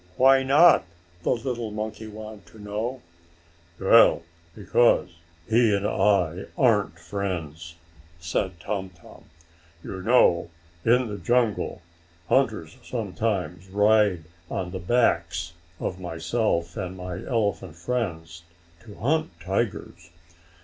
"Why not?" the little monkey wanted to know. "Well, because he and I aren't friends," said Tum Tum. "You know in the jungle, hunters sometimes ride on the backs of myself, and my elephant friends, to hunt tigers.